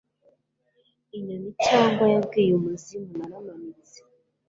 inyoni cyangwa yabwiye umuzimu naramanitse